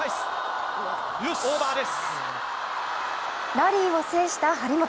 ラリーを制した張本。